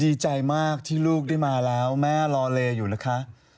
ดีใจมากที่ลูกได้มาแล้วแม่รอเลอยู่นะคะ